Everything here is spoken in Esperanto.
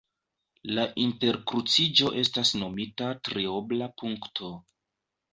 La interkruciĝo estas nomita triobla punkto.